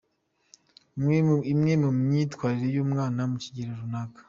Imwe mu myitwarire y’umwana mu kigero runaka